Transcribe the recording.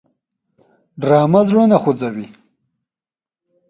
ډرامه زړونه خوځوي